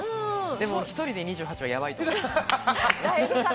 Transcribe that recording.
でも１人で２８は、やばいと思います。